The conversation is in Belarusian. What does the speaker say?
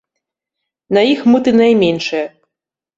На іх мыты найменшыя.